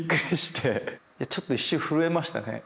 ちょっと一瞬震えましたね。